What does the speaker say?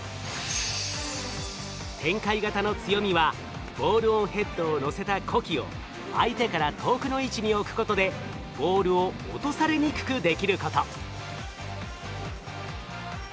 展開型の強みはボールオンヘッドをのせた子機を相手から遠くの位置に置くことでボールを落とされにくくできること。